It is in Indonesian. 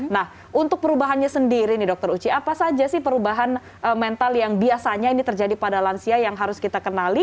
nah untuk perubahannya sendiri nih dokter uci apa saja sih perubahan mental yang biasanya ini terjadi pada lansia yang harus kita kenali